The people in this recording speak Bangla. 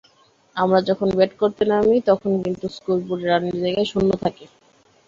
আমরা যখন ব্যাট করতে নামি, তখন কিন্তু স্কোরবোর্ডে রানের জায়গায় শূন্য থাকে।